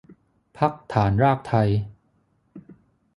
พรรคฐานรากไทย